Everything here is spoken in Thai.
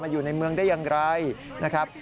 อยู่ในเมืองได้อย่างไรนะครับ